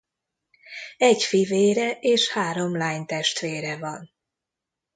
Egy fivére és három lánytestvére van.